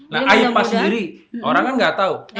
nah aipa sendiri orang kan nggak tahu